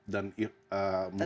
dan muhammad mursi